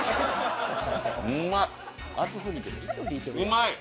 うまい！